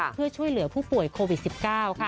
เพื่อช่วยเหลือผู้ป่วยโควิด๑๙ค่ะ